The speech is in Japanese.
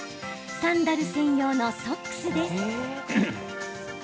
サンダル専用のソックスです。